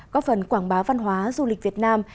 có phần quảng bá văn hóa du lịch việt nam